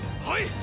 はい！